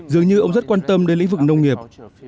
dường như ông rất quan tâm đến lĩnh vực nông nghiệp